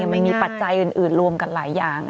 มันมีปัจจัยอื่นรวมกันหลายอย่าง